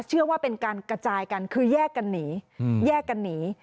เชื่อว่าเป็นการกระจายกันคือแยกกันหนีแยกกันหนี